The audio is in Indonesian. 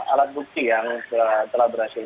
alat bukti yang telah berhasil